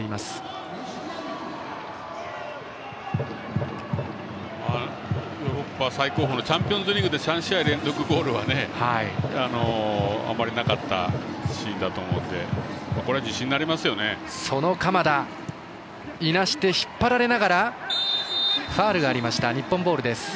ヨーロッパ最高峰のチャンピオンズリーグで３試合連続ゴールはあまりなかったシーンだと思うのでこれは自信になりますよね。